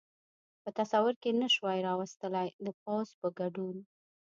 په تصور کې نه شوای را وستلای، د پوځ په ګډون.